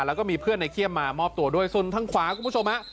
แล้วก็มีเพื่อนในเขี้ยมมามอบตัวด้วยส่วนทางขวาคุณผู้ชมฮะ